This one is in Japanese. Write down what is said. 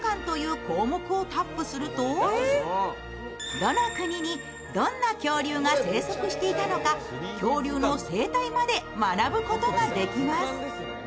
どの国にどんな恐竜が生息していたのか、恐竜の生態まで学ぶことができます。